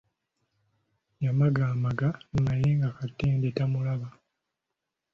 Yamagamaga naye nga Katende tamulaba.